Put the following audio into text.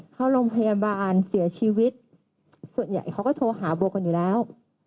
เข้าโรงพยาบาลเสียชีวิตส่วนใหญ่เขาก็โทรหาบัวกันอยู่แล้ว